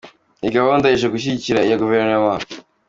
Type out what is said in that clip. Iyi gahunda ije gushyigikira iya Guverinoma.